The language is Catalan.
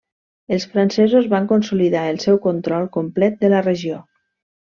Els francesos van consolidar el seu control complet de la regió.